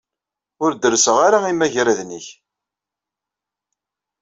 Ur derrseɣ ara imagraden-nnek.